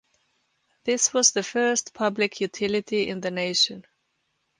This was the first public utility in the nation.